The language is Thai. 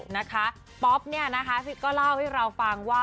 นะคะป๊อปเนี่ยนะคะก็เล่าให้เราฟังว่า